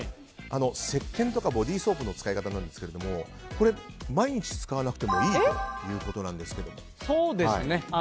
せっけんとかボディーソープの使い方なんですけどこれは毎日使わなくてもいいということですが。